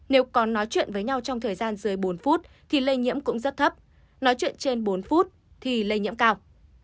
nếu còn nói chuyện với nhau trong thời gian dưới bốn phút thì lây nhiễm cũng rất thấp nói chuyện trên bốn phút thì lây nhiễm cao